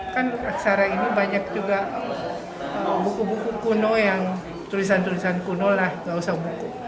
kan aksara ini banyak juga buku buku kuno yang tulisan tulisan kuno lah gak usah buku